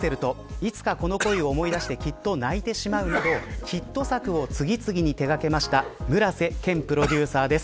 いつかこの恋を思い出してきっと泣いてしまうなどヒット作を次々に手掛けました村瀬健プロデューサーです。